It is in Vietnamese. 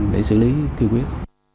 để xử lý kỳ quyết